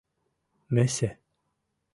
Месе...